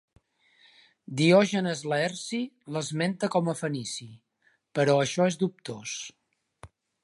Diògenes Laerci l'esmenta com a fenici, però això és dubtós.